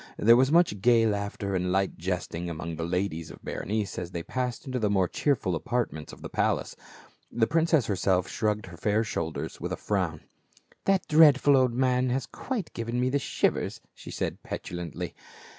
There was much gay laughter and light jesting among the ladies of Berenice, as they passed into the more cheerful apartments of the palace ; the princess herself shrugged her fair shoulders with a frown. " That dreadful old man has quite given me the shivers," she said petulantly.